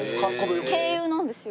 軽油なんですよ。